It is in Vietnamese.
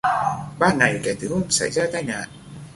Ba ngày kể từ hôm xảy ra tai nạn